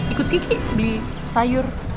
ikut kiki beli sayur